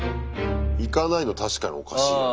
いかないの確かにおかしいね。